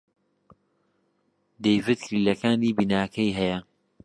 دەیڤد کلیلەکانی بیناکەی هەیە.